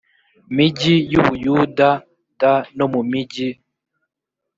migi y u buyuda d no mu migi